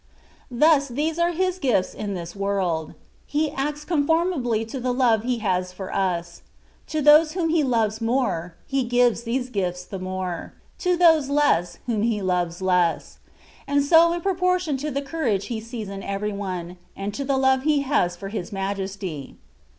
Thus these are His gifts in this world. He acts conformably to the love He has for us. To those whom He loves more. He gives these gifts the more ; to those less, whom He loves less ; and so in proportion to the courage He sees in every one, and to the love He has for His Majesty.